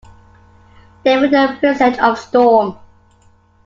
They were the presage of storm.